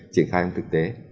triển khai trong thực tế